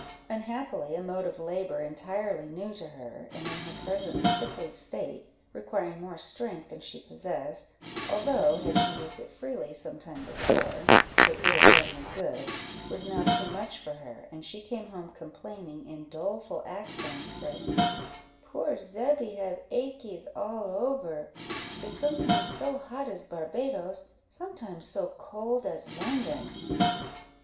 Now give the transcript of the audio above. Unhappily, a mode of labour entirely new to her, and, in her present sickly state, requiring more strength than she possessed, although, had she used it freely some time before, it would have done her good, was now too much for her, and she came home complaining, in doleful accents, that "poor Zebby have achies all over is sometimes so hot as Barbadoes, sometimes so cold as London."